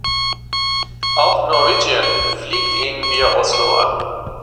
Auch Norwegian fliegt ihn via Oslo an.